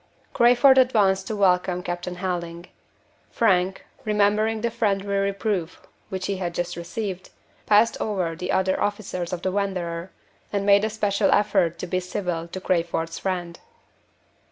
Crayford advanced to welcome Captain Helding. Frank, remembering the friendly reproof which he had just received, passed over the other officers of the Wanderer, and made a special effort to be civil to Crayford's friend.